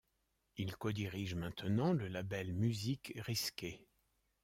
Il codirige maintenant le label Musique Risquée.